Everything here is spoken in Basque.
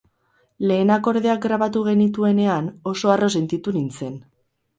Lehen akordeak grabatu genituenean, oso harro sentitu nintzen.